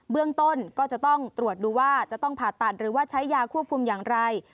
เบื้องต้นก็จะต้องตรวจดูว่าจะต้องผ่าตัดหรือว่าใช้ยาควบคุมอย่างไร